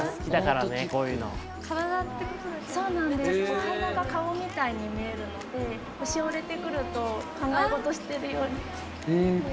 お花が顔みたいに見えるのでしおれて来ると考え事してるように見えたり。